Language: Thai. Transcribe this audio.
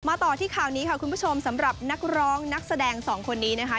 ต่อที่ข่าวนี้ค่ะคุณผู้ชมสำหรับนักร้องนักแสดงสองคนนี้นะคะ